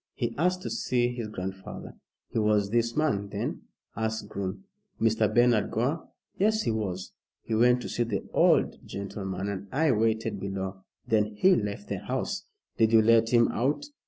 He asked to see his grandfather." "He was this man, then?" asked Groom. "Mr. Bernard Gore? Yes, he was. He went to see the old gentleman, and I waited below. Then he left the house " "Did you let him out?"